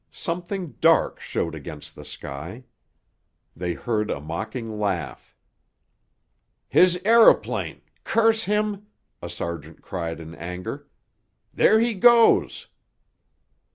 Something dark showed against the sky. They heard a mocking laugh. "His aëroplane, curse him!" a sergeant cried in anger. "There he goes!"